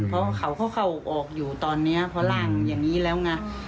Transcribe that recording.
เพราะเขาก็เข้าออกอยู่ตอนนี้เพราะร่างอย่างนี้แล้วไง